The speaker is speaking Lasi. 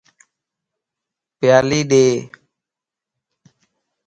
پيالي ڏي